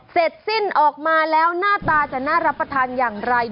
เสร็จสิ้นออกมาแล้วหน้าตาจะน่ารับประทานอย่างไร